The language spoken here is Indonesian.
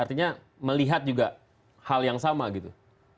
artinya melihat juga hal yang sama gitu